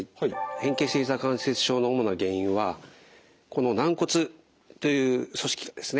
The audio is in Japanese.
変形性ひざ関節症の主な原因はこの軟骨という組織がですね